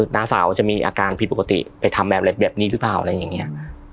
น้าสาวจะมีอาการผิดปกติไปทำแบบอะไรแบบนี้หรือเปล่าอะไรอย่างนี้